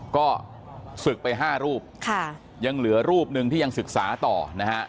ก็ศึกไป๕รูปยังเหลือรูปหนึ่งที่ยังศึกษาต่อนะฮะ